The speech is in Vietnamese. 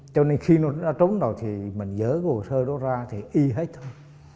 cho nên khi nó đã trốn rồi thì mình dỡ cái hồ sơ đó ra thì y hết thôi